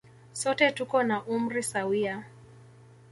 Sote tuko na umri sawia.